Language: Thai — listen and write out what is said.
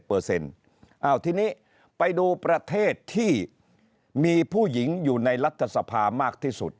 เอาทีนี้ไปดูประเทศที่มีผู้หญิงอยู่ในรัฐสภามากที่สุด